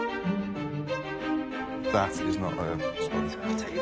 はい。